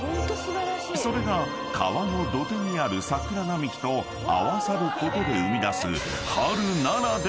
［それが川の土手にある桜並木と合わさることで生み出す］